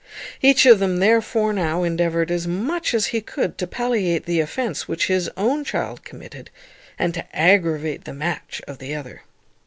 Each of them therefore now endeavoured, as much as he could, to palliate the offence which his own child had committed, and to aggravate the match of the other.